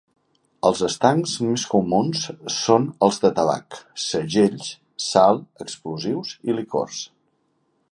Els estancs més comuns són els de tabac, segells, sal, explosius i licors.